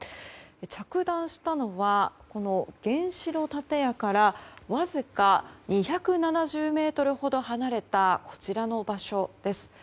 着弾したのはこの原子炉建屋からわずか２７０ｍほど離れたこちらの場所です。